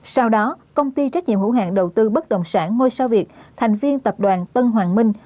sau đó công ty trách nhiệm hữu hạng đầu tư bất đồng sản ngôi sao việt thành viên tập đoàn tân hoàng minh